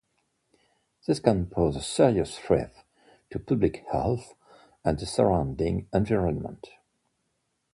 This can pose a serious threat to public health and the surrounding environment.